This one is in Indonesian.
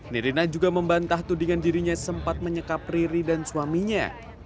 nirina juga membantah tudingan dirinya sempat menyekap riri dan suaminya